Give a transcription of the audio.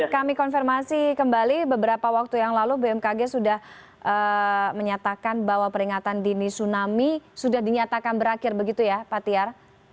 kami konfirmasi kembali beberapa waktu yang lalu bmkg sudah menyatakan bahwa peringatan dini tsunami sudah dinyatakan berakhir begitu ya pak tiar